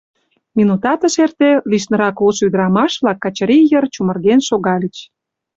Минутат ыш эрте, лишнырак улшо ӱдрамаш-влак Качырий йыр чумырген шогальыч.